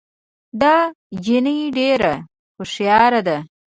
دا جینۍ ډېره هوښیاره ده